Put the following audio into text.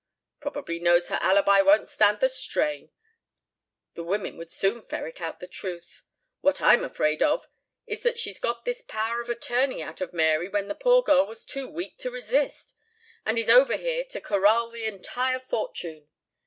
"Probably knows her alibi won't stand the strain. The women would soon ferret out the truth. ... What I'm afraid of is that she's got this power of attorney out of Mary when the poor girl was too weak to resist, and is over here to corral the entire fortune."